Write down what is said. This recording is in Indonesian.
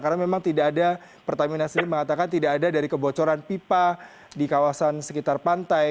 karena memang tidak ada pertamina sendiri mengatakan tidak ada dari kebocoran pipa di kawasan sekitar pantai